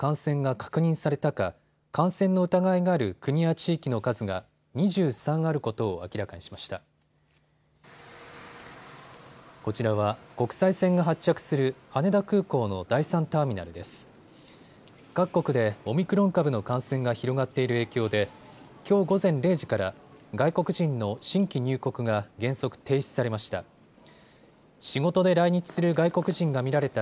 各国でオミクロン株の感染が広がっている影響できょう午前０時から外国人の新規入国が原則停止されました。